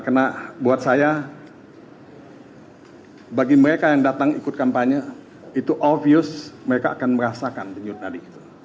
karena buat saya bagi mereka yang datang ikut kampanye itu obvious mereka akan merasakan denyut nadi